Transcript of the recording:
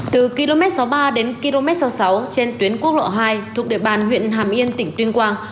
từ km sáu mươi ba đến km sáu mươi sáu trên tuyến quốc lộ hai thuộc địa bàn huyện hàm yên tỉnh tuyên quang